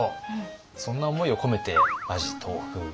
そんな思いを込めて馬耳豆腐。